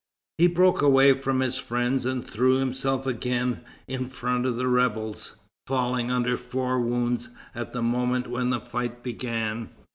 He broke away from his friends and threw himself again in front of the rebels, falling under four wounds at the moment when the fight began.